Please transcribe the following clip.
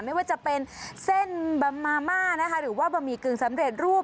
ไม่ว่าจะเป็นเส้นบะมาม่านะคะหรือว่าบะหมี่กึ่งสำเร็จรูป